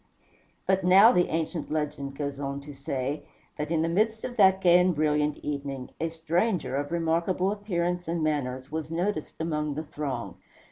But now, the ancient legend goes on to say, that in the midst of that gay and brilliant evening, a stranger of remarkable appearance and manners was noticed among the throng.